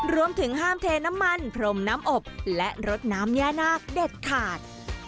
รวมถึงห้ามเทน้ำมันพรมน้ำอบและรดน้ำย่านาคเด็ดขาด